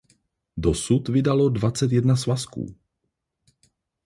Dosud vydalo dvacet jedna svazků.